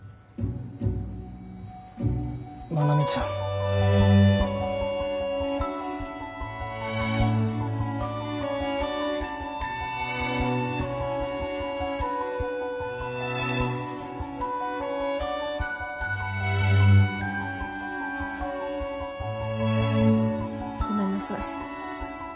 愛美ちゃん。ごめんなさい。